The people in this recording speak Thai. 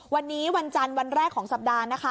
วันนี้วันจันทร์วันแรกของสัปดาห์นะคะ